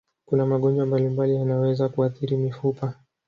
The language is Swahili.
Kuna magonjwa mbalimbali yanayoweza kuathiri mifupa.